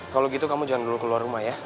kalau gitu kamu jangan dulu keluar rumah ya